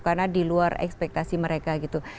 karena di luar ekspektasi mereka gitu